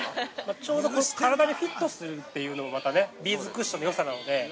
◆ちょうど体にフィットしているというのも、ビーズクッションのよさなんで。